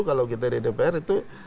kalau kita di dpr itu